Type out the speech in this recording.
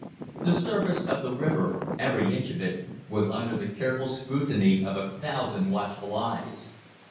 The surface of the river, every inch of it, was under the careful scrutiny of a thousand watchful eyes.